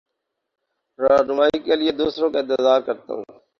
رہنمائ کے لیے دوسروں کا انتظار کرتا ہوں